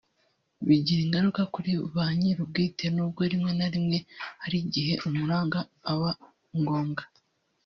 bigira ingaruka kuri ba nyirubwite n’ubwo rimwe na rimwe hari igihe umuranga aba ngombwa